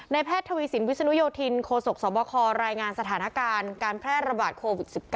แพทย์ทวีสินวิศนุโยธินโคศกสวบครายงานสถานการณ์การแพร่ระบาดโควิด๑๙